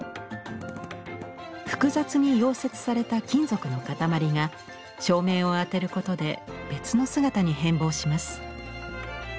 複雑に溶接された金属の塊が照明を当てることで別の姿に変貌します。